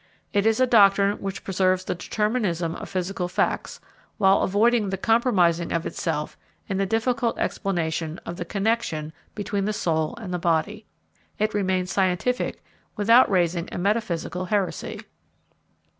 It is a doctrine which preserves the determinism of physical facts while avoiding the compromising of itself in the difficult explanation of the connection between the soul and the body. It remains scientific without raising a metaphysical heresy.